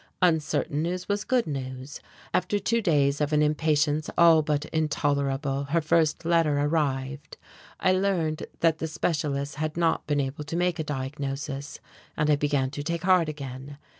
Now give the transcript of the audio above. Uncertain news was good news. After two days of an impatience all but intolerable, her first letter arrived, I learned that the specialists had not been able to make a diagnosis, and I began to take heart again.